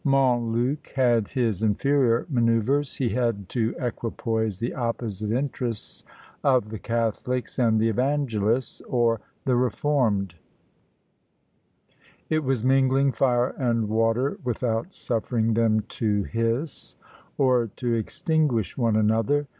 Montluc had his inferior manoeuvres. He had to equipoise the opposite interests of the Catholics and the Evangelists, or the Reformed: it was mingling fire and water without suffering them to hiss, or to extinguish one another.